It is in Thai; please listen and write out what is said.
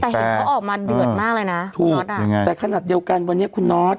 แต่เห็นเขาออกมาเดือดมากเลยนะคุณน็อตอ่ะแต่ขนาดเดียวกันวันนี้คุณนอท